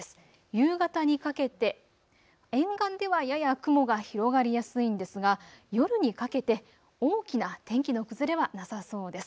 夕方にかけて沿岸ではやや雲が広がりやすいんですが夜にかけて大きな天気の崩れはなさそうです。